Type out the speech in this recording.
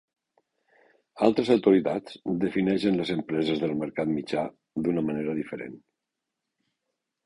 Altres autoritats defineixen les empreses del mercat mitjà d'una manera diferent.